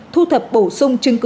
thu thập bổ sung chứng cứ